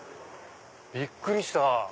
びっくりした。